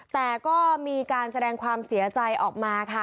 แต่ก็มีการแสดงความเสียใจออกมาค่ะ